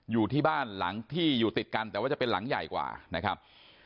อยู่ที่บ้านหลังที่อยู่ติดกันแต่ว่าจะเป็นหลังใหญ่กว่านะครับ